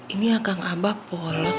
ini akan abah polos